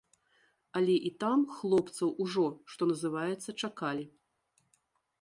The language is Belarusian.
Але і там хлопцаў ужо, што называецца, чакалі.